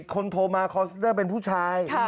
คนโทรมาคอนเซนเตอร์เป็นผู้ชาย